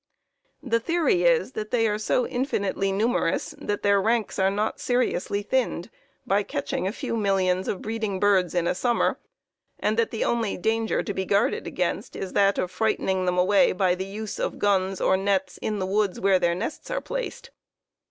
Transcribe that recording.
The theory is, that they are so infinitely numerous that their ranks are not seriously thinned by catching a few millions of breeding birds in a summer, and that the only danger to be guarded against is that of frightening them away by the use of guns or nets in the woods where their nests are placed.